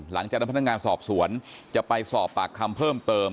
หลังจากทางพันธนงานนำสอบส่วนจะไปสอบปากคำเพิ่มเติม